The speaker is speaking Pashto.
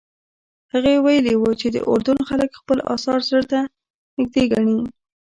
هغه ویلي وو چې د اردن خلک خپل اثار زړه ته نږدې ګڼي.